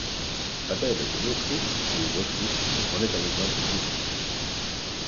La Belle de Boskoop ou Boskoop en est un exemple type.